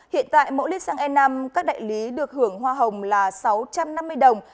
hiện tại mỗi lít xăng e năm các đại lý được hưởng hoa hồng là sáu trăm năm mươi đồng